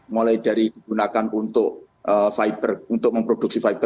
mulai dari digunakan untuk fiber untuk memproduksi fiber